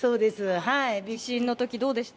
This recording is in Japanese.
地震のときどうでした？